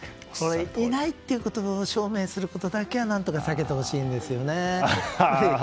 いないということを証明するのは何とか避けてほしいんですよね。